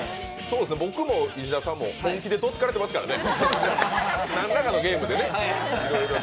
僕も石田さんも本気でどつかれてますからね。